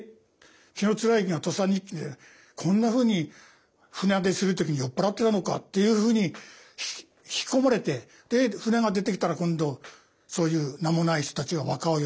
紀貫之が「土佐日記」でこんなふうに船出する時に酔っ払ってたのかっていうふうに引き込まれてで船が出てきたら今度そういう名もない人たちが和歌を詠む。